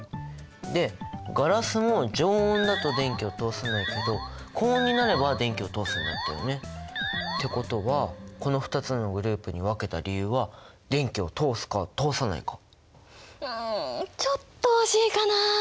でガラスも常温だと電気を通さないけど高温になれば電気を通すんだったよね。ってことはこの２つのグループに分けた理由はうんちょっと惜しいかな。